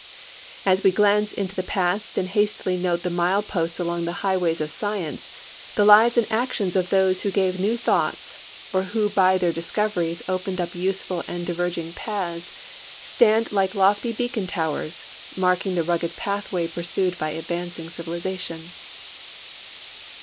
As we glance into the past and hastily note the mile posts along the highways of science, the lives and actions of those who gave new thoughts, or who by their discoveries opened up STORMS A Xn WEATHER FORECASTS G7 UvSeful and (livergini; paths, stand like lofty lioacon towers, mark ing the rugged pathway i)ursued by advancing civilization.